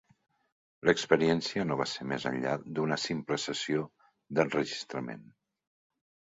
L'experiència no va ser més enllà d'una simple sessió d'enregistrament.